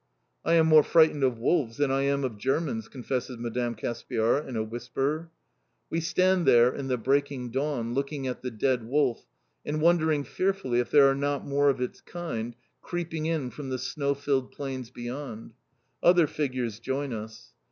"I am more frightened of wolves than I am of Germans," confesses Madame Caspiar in a whisper. We stand there in the breaking dawn, looking at the dead wolf, and wondering fearfully if there are not more of its kind, creeping in from the snow filled plains beyond. Other figures join us.